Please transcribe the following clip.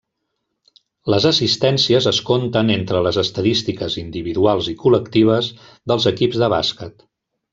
Les assistències es conten entre les estadístiques individuals i col·lectives dels equips de bàsquet.